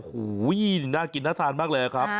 โอ้โหน่ากินน่าทานมากเลยครับ